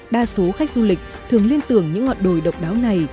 đa số khách du lịch thường liên tưởng những ngọn đồi độc đáo này